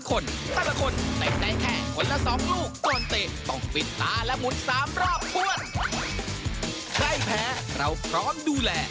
ใครแพ้เราพร้อมดูแล